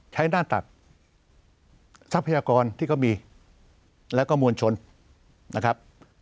ใช้หน้าตักทรัพยากรที่เขามีแล้วก็มวลชนนะครับ